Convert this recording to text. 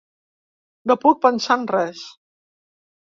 No puc pensar en res.